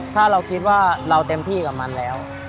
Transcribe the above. ถ้าเราคิดว่าเราเต็มที่กับมันแล้ว